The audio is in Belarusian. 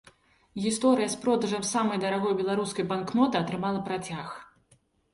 Гісторыя з продажам самай дарагой беларускай банкноты атрымала працяг.